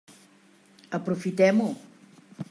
Aprofitem-ho.